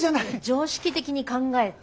常識的に考えて。